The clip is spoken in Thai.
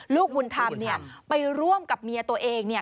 ลูกบุญธรรมเนี่ยไปร่วมกับเมียตัวเองเนี่ย